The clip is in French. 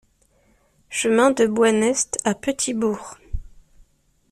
Chemin de Boynest à Petit-Bourg